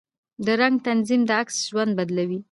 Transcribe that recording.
د رنګ تنظیم د عکس ژوند بدلوي.